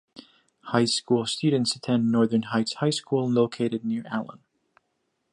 High school students attend Northern Heights High School located near Allen.